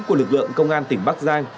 của lực lượng công an tỉnh bắc giang